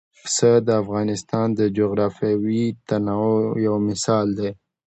پسه د افغانستان د جغرافیوي تنوع یو مثال دی.